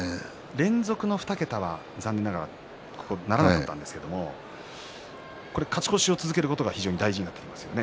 連続の２桁は残念ながらなりませんでしたが勝ち越しを続けることが大事になってきますね。